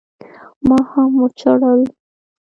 ما هم وجړل.